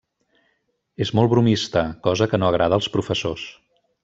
És molt bromista, cosa que no agrada als professors.